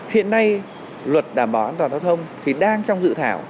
hiện nay luật đảm bảo an toàn giao thông thì đang trong dự thảo